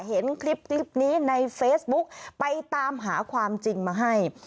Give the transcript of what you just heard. เห็นคลิปนี้ในเฟซบุ๊กไปตามหาความจริงมาให้